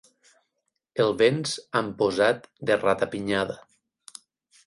El venç amb posat de rata-pinyada.